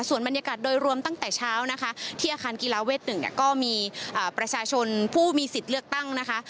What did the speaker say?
ส่วนบรรยากาศโดยรวมตั้งแต่เช้านะคะที่อาคารกีฬาเวท๑เนี่ยก็มีประชาชนผู้มีสิทธิ์เลือกตั้งนะคะ